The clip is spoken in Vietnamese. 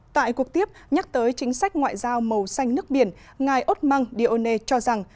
tại cuộc tiếp nhắc tới chính sách ngoại giao màu xanh nước biển ngài út măng điêu âu nê cho rằng